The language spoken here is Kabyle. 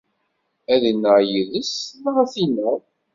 Ad innaɣ yid-s, neɣ ad t-ineɣ.